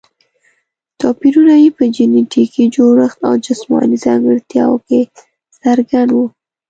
توپیرونه یې په جینټیکي جوړښت او جسماني ځانګړتیاوو کې څرګند وو.